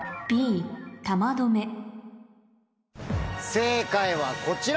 正解はこちら。